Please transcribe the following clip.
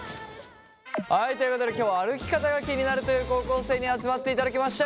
はいということで今日は歩き方が気になるという高校生に集まっていただきました。